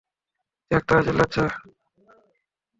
দেখ তারা চিল্লাচ্ছে!